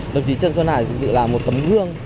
đồng chí trần xuân hải cũng tự làm một tấm hương